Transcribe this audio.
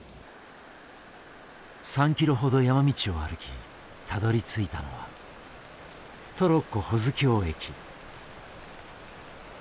３キロほど山道を歩きたどりついたのはトロッコ保津峡駅。